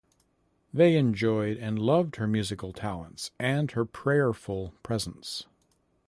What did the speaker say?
They enjoyed and loved her musical talents and her prayerful presence.